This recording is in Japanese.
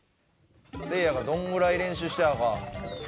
せいやがどんぐらい練習したのか。